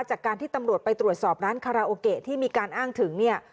จากการที่ตำรวจไปตรวจสอบร้านคาราโอเกะที่มีการอ้างถึงเนี่ย